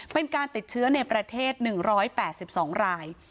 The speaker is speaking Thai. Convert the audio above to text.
เป็นการติดเชื้อในประเทศ๑๘๒ราย